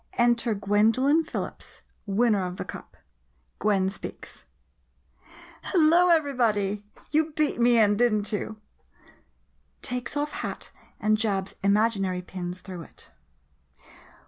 Enter Gwendolin Phillips, winner of the cup. Gwen speaks Hello, everybody! You all beat me in, did n't you ? [Takes off hat and jabs imaginary pins through it.